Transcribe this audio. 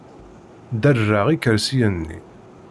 Derrereɣ ikersiyen-nni.